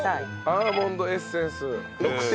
アーモンドエッセンス６滴。